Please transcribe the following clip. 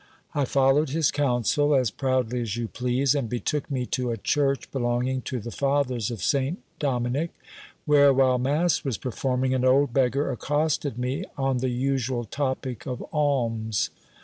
I followed his counsel as proudly as you please, and betook me to a church belonging to the fathers of St Dominic, where, while mass was performing, an old beggar accosted me on the usual topic of alms.